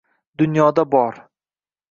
Dunyoda bor!